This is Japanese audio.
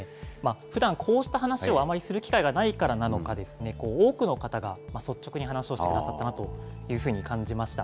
ふだん、こうした話をあまりする機会がないからなのか、多くの方が率直に話をしてくださったなというふうに感じました。